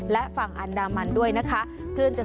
และฝั่งอันดามันด้วยนะคะ